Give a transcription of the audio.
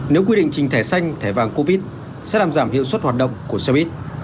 nếu quy định trình thẻ xanh thẻ vàng covid sẽ làm giảm hiệu suất hoạt động của xe buýt